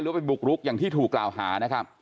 หรือไปบุกรุกอย่างที่ถูกกล่าวหา